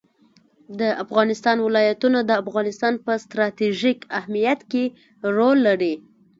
د افغانستان ولايتونه د افغانستان په ستراتیژیک اهمیت کې رول لري.